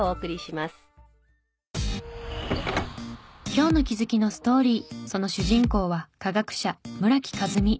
今日の気づきのストーリーその主人公は化学者村木風海。